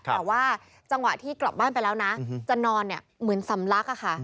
แต่ว่าจังหวะที่กลับบ้านไปแล้วนะจะนอนเหมือนสำลักอะค่ะ